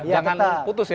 jangan putus ya